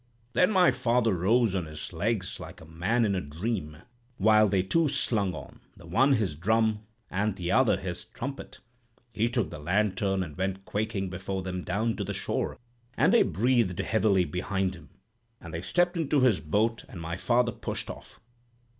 "Then my father rose on his legs like a man in a dream, while they two slung on, the one his drum, and t'other his trumpet. He took the lantern and went quaking before them down to the shore, and they breathed heavily behind him; and they stepped into his boat, and my father pushed off.